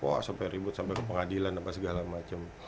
wah sampai ribut sampai ke pengadilan apa segala macam